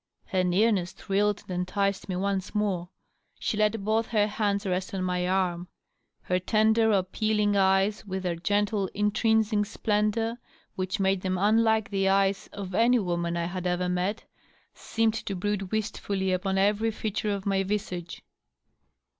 Her nearness thrilled and enticed me once more. She let both her hands rest on my arm. Her tender, appealing eyes, with their gentle, intrinsic splendor which made them unlike the eyes of any woman I had ever met, seemed to brood wistfully upon every feature of my visage.